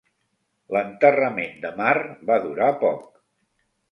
L'enterrament de mar va durar poc.